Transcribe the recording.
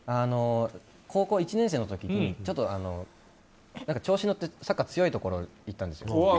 高校１年生の時に調子乗ってサッカー強いところに行ったんですよ。